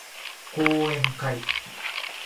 講演会